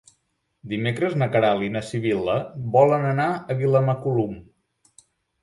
Dimecres na Queralt i na Sibil·la volen anar a Vilamacolum.